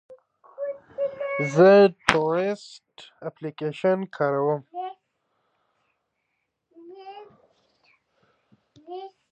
زه تورسټ اپلیکیشن کاروم.